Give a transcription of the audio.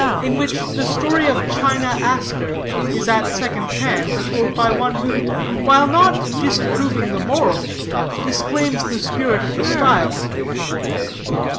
IN WHICH THE STORY OF CHINA ASTER IS AT SECOND HAND TOLD BY ONE WHO, WHILE NOT DISAPPROVING THE MORAL, DISCLAIMS THE SPIRIT OF THE STYLE.